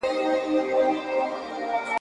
پر هر قدم به سجدې کومه `